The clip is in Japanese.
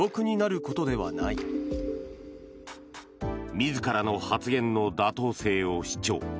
自らの発言の妥当性を主張。